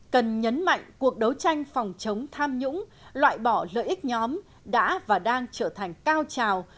cần nhấn mạnh cuộc đấu tranh phòng chống tham nhũng loại bỏ lợi ích nhóm đã và đang trở thành cao trào